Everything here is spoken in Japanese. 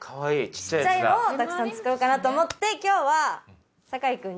ちっちゃいのをたくさん作ろうかなと思って今日は。